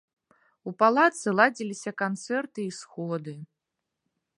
У палацы ладзіліся канцэрты і сходы.